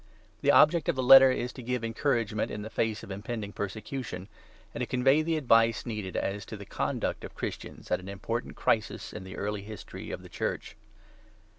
The object of the Letter is to give encouragement in the face of impending persecution, and to convey the advice needed as to the conduct of Christians at an important crisis in the early history of the Church.